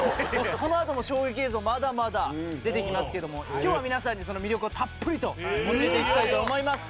このあとも衝撃映像まだまだ出てきますけども今日は皆さんにその魅力をたっぷりと教えていきたいと思います。